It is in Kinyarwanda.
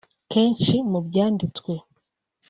Kenshi mu byanditswe